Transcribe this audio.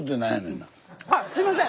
あすいません！